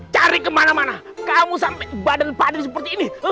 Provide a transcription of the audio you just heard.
cari kemana mana kamu sampai badan badan seperti ini